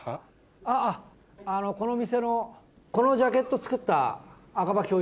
あっこの店のこのジャケット作った赤羽恭一です。